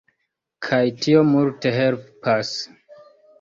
Kaj tio multe helpas.